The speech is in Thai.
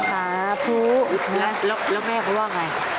ค่ะพรุ่แล้วแม่เค้าว่าอย่างไร